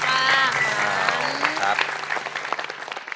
สวัสดีครับสวัสดีครับ